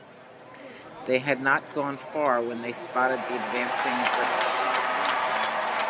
They had not gone far when they spotted the advancing British.